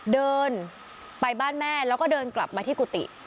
เดินไปบ้านแม่แล้วก็เดินกลับมาที่กุฏิ